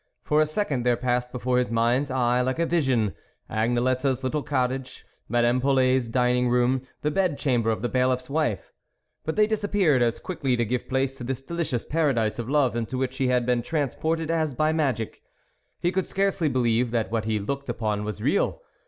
For a second there passed before his mind's eye like a vision, Agnelette's little cottage, Madame Polet's dining room, the bed chamber of the Bailift's wife; but they disappeared as quickly to give place to this delicious paradise of love into which he had been transported as by magic. He could scarcely believe that what he looked upon was real.